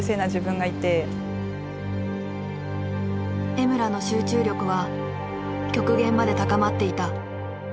江村の集中力は極限まで高まっていた。